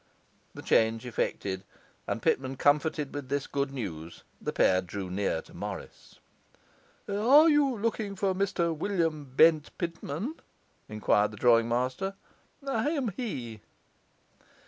The change effected, and Pitman comforted with this good news, the pair drew near to Morris. 'Are you looking for Mr William Bent Pitman?' enquired the drawing master. 'I am he.